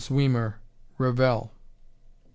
Zwemer. Revell.